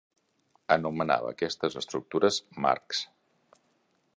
Anomenava aquestes estructures "marcs".